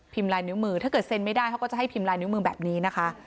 ลายนิ้วมือถ้าเกิดเซ็นไม่ได้เขาก็จะให้พิมพ์ลายนิ้วมือแบบนี้นะคะ